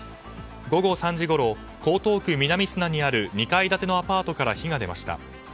午後３時ごろ江東区南砂にある２階建てのアパートから火が出ました。